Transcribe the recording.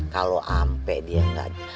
kalau sampai dia tidak